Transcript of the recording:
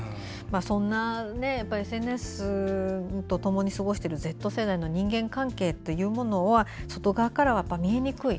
そんなＳＮＳとともに過ごしているＺ世代の人間関係というのは外側からは見えにくい。